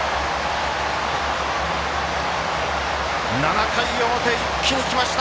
７回表、一気にきました。